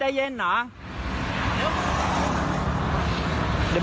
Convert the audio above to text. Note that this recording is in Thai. มีคลิปก่อนนะครับ